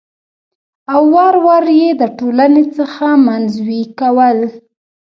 او ور ور يې د ټـولنـې څـخـه منـزوي کـول .